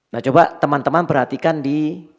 nah coba teman teman perhatikan di